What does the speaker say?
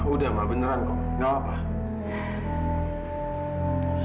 udah ma beneran kok nggak apa apa